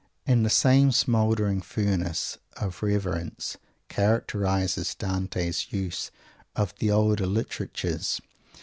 And the same smouldering furnace of "reverence" characterizes Dante's use of the older literatures.